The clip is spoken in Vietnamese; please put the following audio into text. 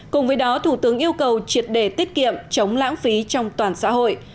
cùng với đó thủ tướng yêu cầu triệt đề tiết kiệm chống lãng phí trong toàn xã hội